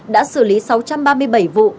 đã xử lý sáu trăm ba mươi bảy vụ